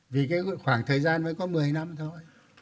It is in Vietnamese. vì cái khoảng thời gian mới có một mươi năm thôi